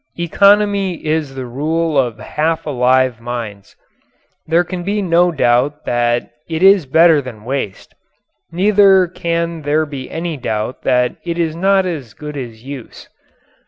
Economy is the rule of half alive minds. There can be no doubt that it is better than waste; neither can there be any doubt that it is not as good as use.